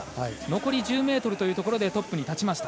残り１０ｍというところでトップに立ちました。